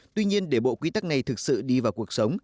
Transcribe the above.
tuy nhiên để bộ quy tắc này thực sự đi vào cuộc sống